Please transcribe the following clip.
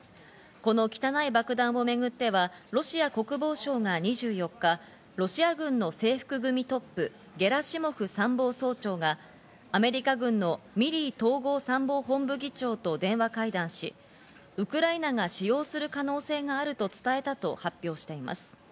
この汚い爆弾をめぐってはロシア国防省が２４日、ロシア軍の制服組トップ、ゲラシモフ参謀総長がアメリカ軍のミリー統合参謀本部議長と電話会談し、ウクライナが使用する可能性があると伝えたと発表しています。